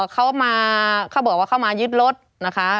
เขามาเขาบอกว่าเขามายึดรถนะคะ